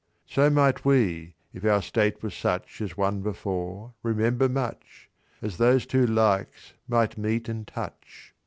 "So might we, if our state were such As one before, remember much, For those two likes might meet and touch.